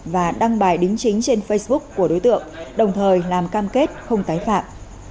và đăng bài đính chính trên facebook của đối tượng đồng thời làm cam kết không tái phạm